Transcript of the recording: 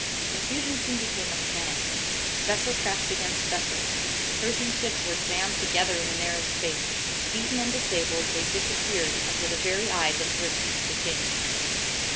Confusion soon became a panic. Vessel crashed against vessel. Persian ships were jammed together in the narrow space. Beaten and disabled, they disappeared under the very eyes of Xerxes the king.